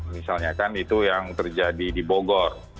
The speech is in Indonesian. misalnya kan itu yang terjadi di bogor